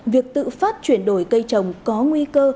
việc tự phát chuyển đổi cây trồng có nguy cơ